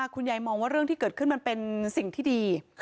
มองว่าเรื่องที่เกิดขึ้นมันเป็นสิ่งที่ดี